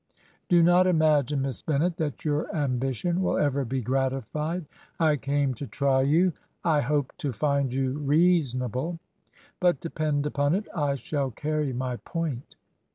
Do not imagine. Miss Bennet, that your ambition will ever be gratified. I came to try you. I hoped to find you reasonable; but depend upon it, I shall carry my point.'